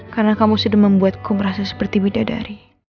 karena kamu sudah membuatku merasa seperti widadari